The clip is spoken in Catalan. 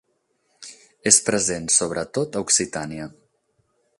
És present sobretot a Occitània.